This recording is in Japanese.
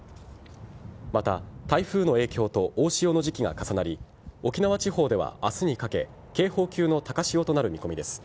また、台風の影響と大潮の時期が重なり沖縄地方では明日にかけ警報級の高潮となる見込みです。